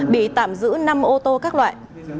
bị tạm giữ năm ô tô các loại